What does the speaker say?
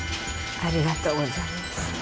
ありがとうございます。